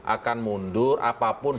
akan mundur apapun